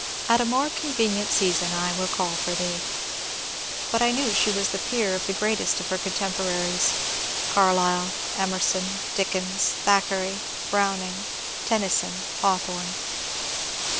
'' At a more convenient season I will call for thee." But I knew she was the peer of the greatest of her contemporaries, — Carlyle, Emerson, Dickens, Thackeray, Browning, Tennyson, Hawthorne.